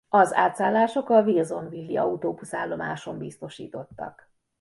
Az átszállások a wilsonville-i autóbusz-állomáson biztosítottak.